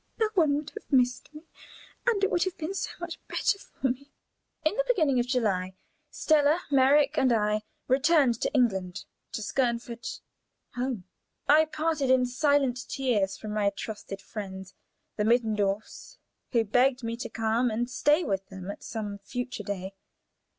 no one would have missed me, and it would have been so much better for me!" In the beginning of July, Stella, Merrick, and I returned to England, to Skernford, home. I parted in silent tears from my trusted friends, the Mittendorfs, who begged me to come and stay with them at some future day.